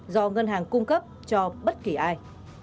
do ngân hàng cung cấp cho bất kỳ ai